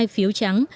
hai phiếu trắng